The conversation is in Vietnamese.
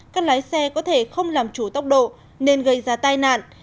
các lái xe có thể không làm chủ tốc độ nên gây ra tai nạn